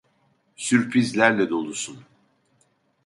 Sürprizlerle dolusun.